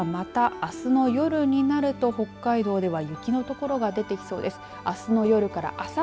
ただまたあすの夜になると北海道では雪の所が出てきそうです。